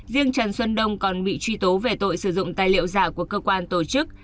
riêng trần xuân đông còn bị truy tố về tội sử dụng tài liệu giả của cơ quan tổ chức